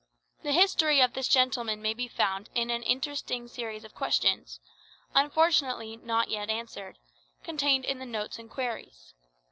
The history of this gentleman may be found in an interesting series of questions (unfortunately not yet answered) contained in the 'Notes and Queries.'